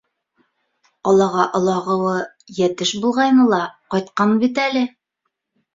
Ҡалаға олағыуы йәтеш булғайны ла, ҡайтҡан бит әле.